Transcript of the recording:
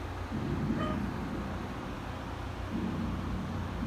派因代尔绍尔斯是一个位于美国阿拉巴马州圣克莱尔县的非建制地区。